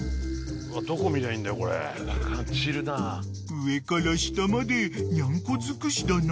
［上から下までニャンコ尽くしだな］